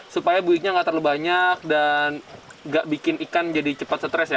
supaya buyutnya nggak terlalu banyak dan gak bikin ikan jadi cepat stres ya